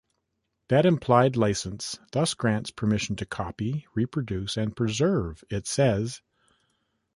That implied license thus grants permission to copy, reproduce and preserve, it says.